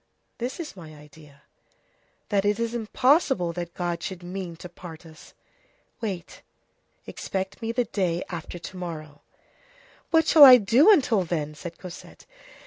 "This is my idea: that it is impossible that God should mean to part us. Wait; expect me the day after to morrow." "What shall I do until then?" said Cosette.